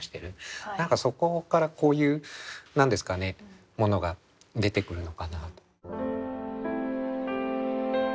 何かそこからこういう何ですかねものが出てくるのかなと。